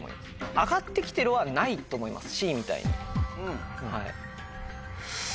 上がって来てるはないと思いますＣみたいに。